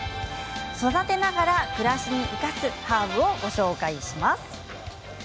育てながら暮らしに生かすハーブをご紹介します。